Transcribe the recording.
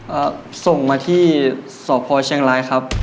ส่งมาที่สพเชียงรายครับ